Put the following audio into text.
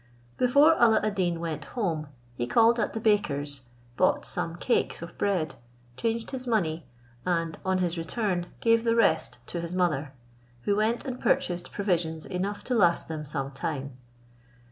Before Alla ad Deen went home, he called at a baker's, bought some cakes of bread, changed his money, and on his return gave the rest to his mother, who went and purchased provisions enough to last them some time.